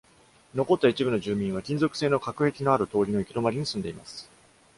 残った一部の住民は、金属製の隔壁のある通の行き止まりに住んでいます。